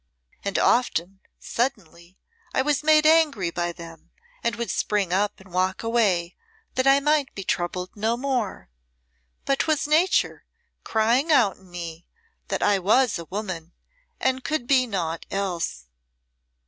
And often, suddenly, I was made angry by them and would spring up and walk away that I might be troubled no more. But 'twas Nature crying out in me that I was a woman and could be naught else."